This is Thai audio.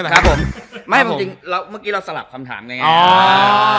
แล้วเมื่อกี้เราสลับคำถามเลยไง